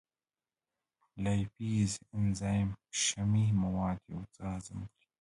لایپیز انزایم شحمي مواد یو څه هضم کړي.